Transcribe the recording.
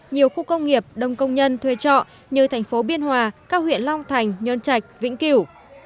nhiều khu công nghiệp đông công nhân thuê trọ như thành phố biên hòa cao huyện long thành nhơn trạch vĩnh cửu